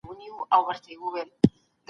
نظم غواړو.